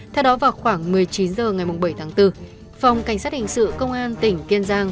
theo đó vào khoảng một mươi chín h ngày bảy tháng bốn phòng cảnh sát hình sự công an tỉnh kiên giang